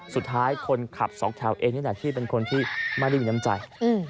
สุดท้ายคนขับสองแถวเองยัน่าที่เป็นคนที่ไม่ได้มีน้ำใจ